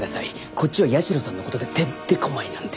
こっちは社さんの事でてんてこまいなんですよ。